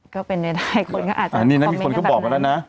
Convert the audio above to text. ก็เป็นใดคนก็อาจจะคอมเม้นต์ก็แบบนั้น